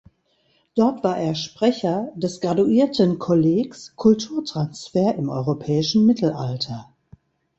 Dort war er Sprecher des Graduiertenkollegs "Kulturtransfer im europäischen Mittelalter".